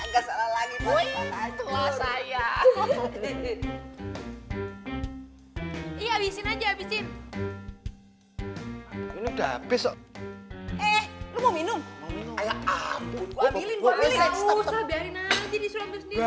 habisin aja habisin udah besok eh lu minum abu abu